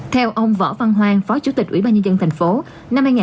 theo ông võ văn hoang phó chủ tịch ủy ban nhân dân tp hcm